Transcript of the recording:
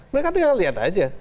mereka tinggal lihat aja